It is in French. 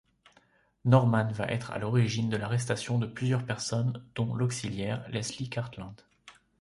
Norman va être à l'origine de l'arrestation de plusieurs personnes dont l'auxiliaire Lesley Cartland.